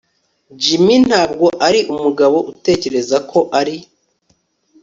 Jim ntabwo ari umugabo utekereza ko ari